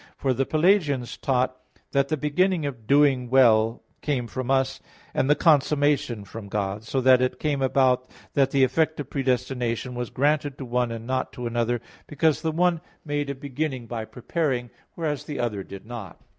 For the Pelagians taught that the beginning of doing well came from us; and the consummation from God: so that it came about that the effect of predestination was granted to one, and not to another, because the one made a beginning by preparing, whereas the other did not.